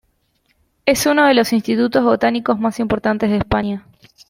Es uno de los institutos botánicos más importantes de España.